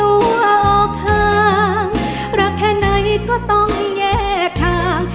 ออกทางรักแค่ไหนก็ต้องแยกทาง